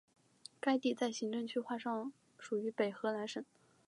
该地在行政区划上属于北荷兰省。